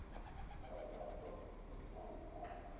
Sen esa ikkiyuzlamachisan